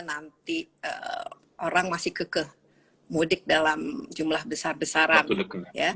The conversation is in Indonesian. nanti orang masih kekeh mudik dalam jumlah besar besaran